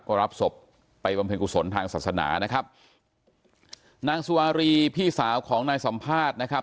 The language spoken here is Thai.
ก็รับศพไปบำเพ็ญกุศลทางศาสนานะครับนางสุวารีพี่สาวของนายสัมภาษณ์นะครับ